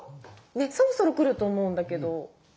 そろそろ来ると思うんだけど。